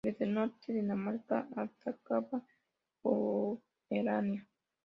Desde el norte, Dinamarca atacaba Pomerania.